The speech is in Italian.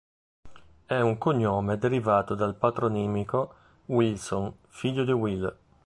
È un cognome derivato dal patronimico "Wilson", figlio di Wil.